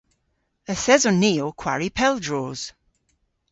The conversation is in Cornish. Yth eson ni ow kwari pel droos.